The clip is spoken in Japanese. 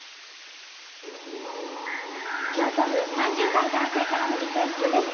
京都府３０代男性からのリクエストです。